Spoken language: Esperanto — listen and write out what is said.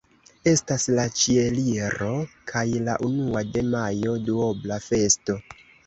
Estas la Ĉieliro kaj la unua de majo: duobla festo.